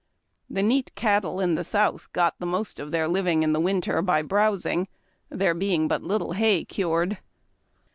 The neat cattle in the South get the most of their living in the winter by browsing, there being but little hay cured.